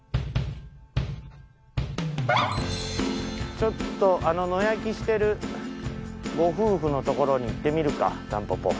ちょっとあの野焼きしてるご夫婦のところに行ってみるかタンポポ。